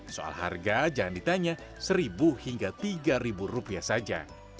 soal harga jangan ditanya seribu hingga tiga ribu rupiah saja